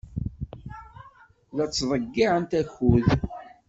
La ttḍeyyiɛent akud.